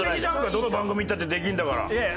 どの番組いったってできるんだから。